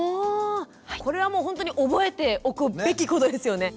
これはもうほんとに覚えておくべきことですよね。